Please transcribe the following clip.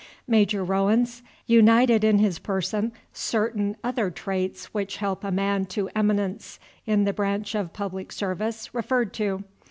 Major Rowens united in his person certain other traits which help a man to eminence in the branch of public service referred to.